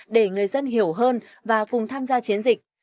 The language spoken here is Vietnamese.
để người dân hiểu hơn và cùng tham gia chiến dịch